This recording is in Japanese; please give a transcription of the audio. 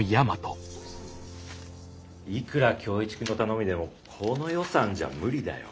いくら響一くんの頼みでもこの予算じゃ無理だよ。